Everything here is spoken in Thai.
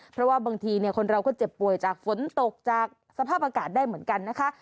เพราะว่าบางทีคนเราก็เจ็บป่วยจากฝนตกจากสภาพอากาศได้เหมือนกันนะคะ